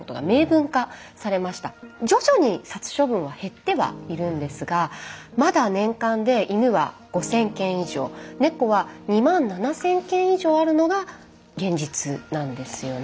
徐々に殺処分は減ってはいるんですがまだ年間で犬は５，０００件以上猫は２万７，０００件以上あるのが現実なんですよね。